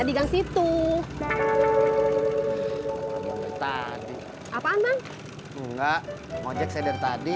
di gang situ apaan enggak mau cek saya dari tadi